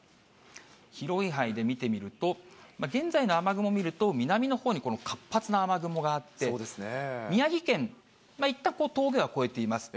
広い範囲で見てみると、現在の雨雲見ると、南のほうに活発な雨雲があって、宮城県、いったん峠は越えています。